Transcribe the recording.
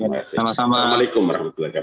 assalamualaikum warahmatullahi wabarakatuh